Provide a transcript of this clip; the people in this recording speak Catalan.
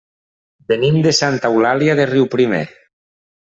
Venim de Santa Eulàlia de Riuprimer.